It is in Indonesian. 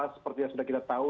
seperti yang sudah kita tahu